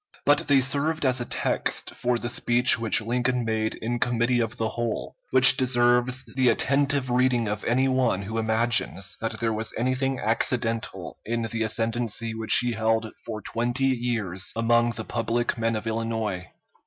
But they served as a text for the speech which Lincoln made in Committee of the Whole, which deserves the attentive reading of any one who imagines that there was anything accidental in the ascendency which he held for twenty years among the public men of Illinois.